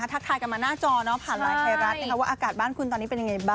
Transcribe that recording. ทักทายกันมาหน้าจอผ่านไลน์ไทยรัฐว่าอากาศบ้านคุณตอนนี้เป็นยังไงบ้าง